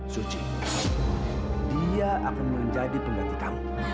suci dia akan menjadi pengganti kamu